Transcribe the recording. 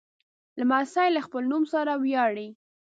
لمسی له خپل نوم سره ویاړي.